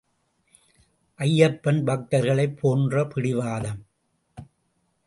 அய்யப்பன் பக்தர்களைப் போன்ற பிடிவாதம்.